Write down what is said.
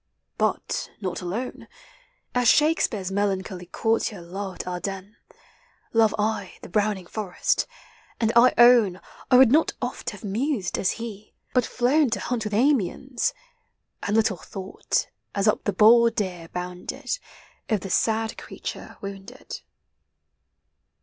But not alone, As Shakespeare's melancholy courtier loved Ardennes, Love I the browning forest ; and I own I would not oft have mused, as he, but flown To hunt with Amiens — And little thought, as up the bold deer bounded, Of the sad creature wounded.